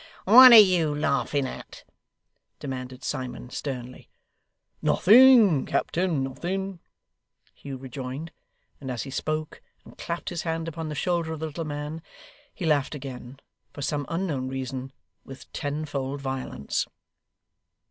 Ha ha ha!' 'What are you laughing at?' demanded Simon sternly. 'Nothing, captain, nothing,' Hugh rejoined; and as he spoke, and clapped his hand upon the shoulder of the little man, he laughed again, for some unknown reason, with tenfold violence.